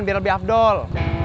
biar lebih abdol